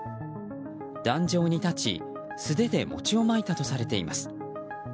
壇上に立ち、素手で餅をまいたとされています。